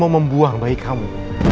membuang bagi kamu